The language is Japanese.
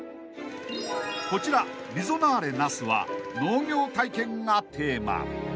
［こちらリゾナーレ那須は農業体験がテーマ］